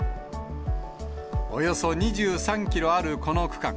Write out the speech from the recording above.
およそ２３キロあるこの区間。